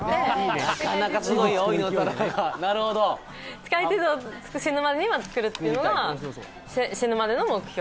なるほど世界地図を死ぬまでには作るっていうのが死ぬまでの目標